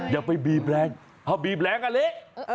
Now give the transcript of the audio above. อย่าไปบีบแรงถ้าบีบแรงก็เละ